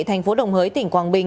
tp đồng hới tỉnh quảng bình